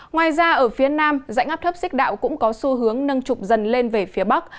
ngoài ra ở phía nam dãy ngắp thấp xích đạo cũng có xu hướng nâng trục dần lên về phía bắc